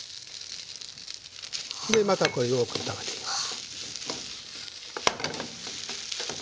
でまたこれよく炒めていきます。